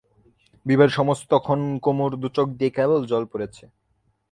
বিবাহের সমস্তক্ষণ কুমুর দু চোখ দিয়ে কেবল জল পড়েছে।